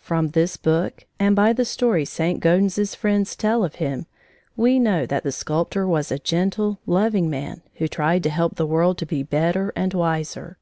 From this book and by the stories St. Gaudens's friends tell of him, we know that the sculptor was a gentle, loving man who tried to help the world to be better and wiser.